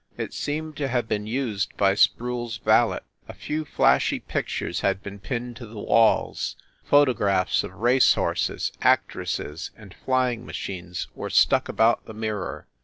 It seemed to have been used by Sproule s valet. A few flashy pictures had been pinned to the walls, photo graphs of race horses, actresses and flying machines were stuck about the mirror.